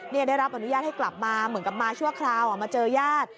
ได้รับอนุญาตให้กลับมาเหมือนกับมาชั่วคราวมาเจอญาติ